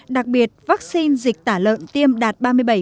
đặc biệt vaccine dịch tả lợn tiêm đạt ba mươi bảy